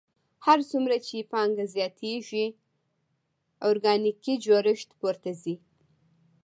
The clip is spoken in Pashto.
هر څومره چې پانګه زیاتېږي ارګانیکي جوړښت پورته ځي